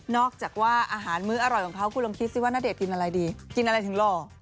อกจากว่าอาหารมื้ออร่อยของเขาคุณลองคิดสิว่าณเดชนอะไรดีกินอะไรถึงหล่อ